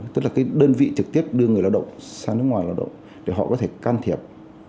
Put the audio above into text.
tức là cái đơn vị trực tiếp đưa người lao động sang nước ngoài lao động để họ có thể can thiệp